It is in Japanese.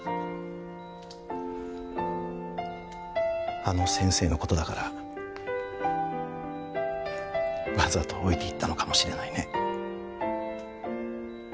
あの先生のことだからわざと置いていったのかもしれないね